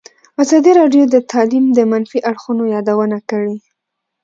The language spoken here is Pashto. ازادي راډیو د تعلیم د منفي اړخونو یادونه کړې.